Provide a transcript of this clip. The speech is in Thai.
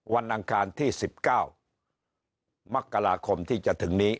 วันอังคารที่สิบเก้ามักกราคมที่จะถึงนี้